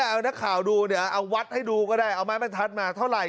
เอานักข่าวดูเนี่ยเอาวัดให้ดูก็ได้เอาไม้บรรทัดมาเท่าไหร่